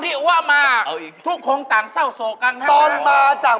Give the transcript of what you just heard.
พี่โกงว่าตกอาจารย์กันได้ยังไง